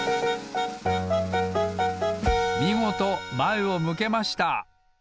みごとまえを向けました！